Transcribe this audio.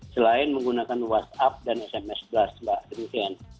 selain menggunakan whatsapp dan sms blast mbak christian